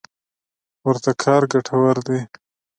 ورته کار ګټور دی.